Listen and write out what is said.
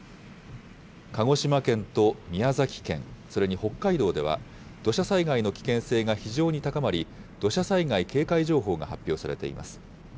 鹿児島県と宮崎県、それに北海道では、土砂災害の危険性が非常に高まり、土砂災害警戒情報が発表されています。